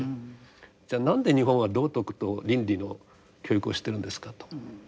じゃあ何で日本は道徳と倫理の教育をしてるんですかと。